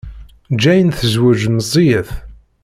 Jane tezweǧ meẓẓiyet.